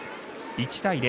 １対０。